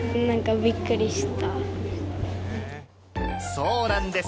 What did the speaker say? そうなんです！